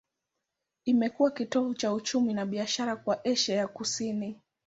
Imekuwa kitovu cha uchumi na biashara kwa Asia ya Kusini.